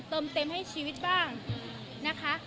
เติมเต็มให้ชีวิตบ้างนะคะ